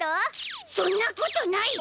そんなことない！